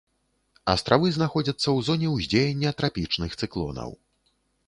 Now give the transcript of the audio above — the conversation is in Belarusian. Астравы знаходзяцца ў зоне ўздзеяння трапічных цыклонаў.